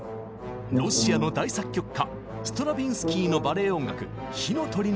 ロシアの大作曲家ストラヴィンスキーのバレエ音楽「火の鳥」の一曲。